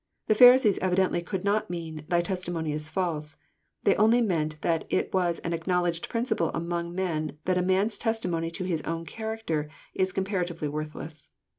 The Pharisees evi dently could not mean "thy testimony is false." They only meant that it was an acknowledged principle among men that a man*s testimony to his own character is comparatively worth less.